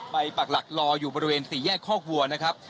ไปปากหลักลออยู่บริเวณสี่แยกข้อคัวนะครับ